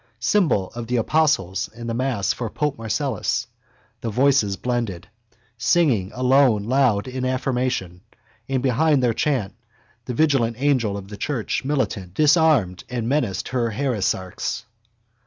Symbol of the apostles in the mass for pope Marcellus, the voices blended, singing alone loud in affirmation: and behind their chant the vigilant angel of the church militant disarmed and menaced her heresiarchs.